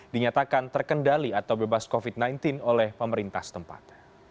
dinyatakan terkendali atau bebas covid sembilan belas oleh pemerintah setempat